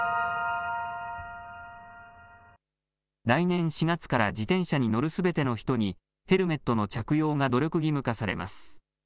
来年４月から自転車に乗るすべての人にヘルメットの着用が努力義務化されます。